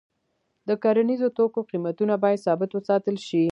د کرنیزو توکو قیمتونه باید ثابت وساتل شي.